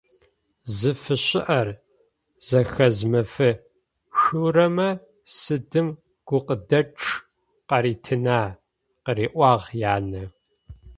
«Зыфыщыӏэр зэхэзымыфышъурэмэ сыдым гукъыдэчъ къаритына?»,- къыриӏуагъ янэ.